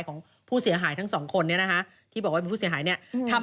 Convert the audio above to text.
ของผู้เสียหายทั้งสองคนเนี่ยนะคะที่บอกว่าเป็นผู้เสียหายเนี่ยทำ